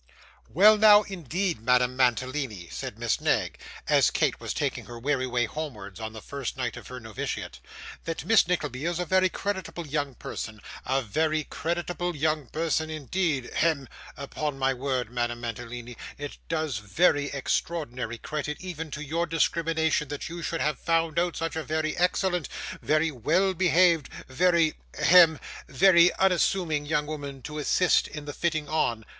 'Well, now, indeed, Madame Mantalini,' said Miss Knag, as Kate was taking her weary way homewards on the first night of her novitiate; 'that Miss Nickleby is a very creditable young person a very creditable young person indeed hem upon my word, Madame Mantalini, it does very extraordinary credit even to your discrimination that you should have found such a very excellent, very well behaved, very hem very unassuming young woman to assist in the fitting on.